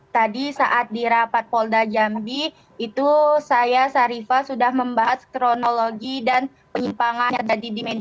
tadi saat di rapat polda jambi itu saya sarifah sudah membahas kronologi dan penyimpangan yang tadi di media